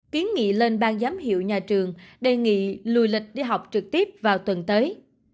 kiến nghị lên bang giám hiệu nhà trường đề nghị lùi lịch đi học trực tiếp vào tuần tới